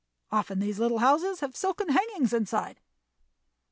Often these little houses have silken hangings inside.